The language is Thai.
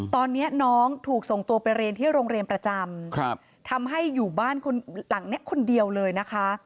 ตอนนี้น้องถูกส่งตัวไปเรียนที่โรงเรียนประจำทำให้อยู่บ้านหลังนี้คนเดียวเลยนะคะ